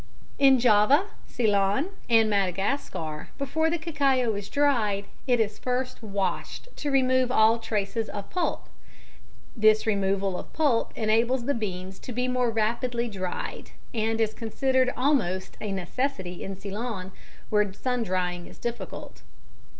_ In Java, Ceylon and Madagascar before the cacao is dried, it is first washed to remove all traces of pulp. This removal of pulp enables the beans to be more rapidly dried, and is considered almost a necessity in Ceylon, where sun drying is difficult.